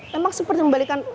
memang seperti membalikan